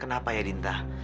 kenapa ya dinta